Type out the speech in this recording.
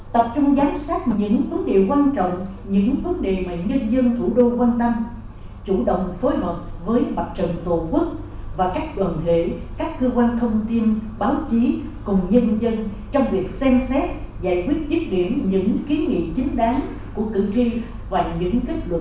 tập trung giám sát những vấn đề quan trọng những vấn đề mà nhân dân thủ đô quan tâm chủ động phối hợp với bạc trận tổ quốc và các đoàn thể các cơ quan thông tin báo chí cùng nhân dân